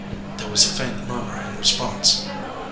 There was a faint murmur in response.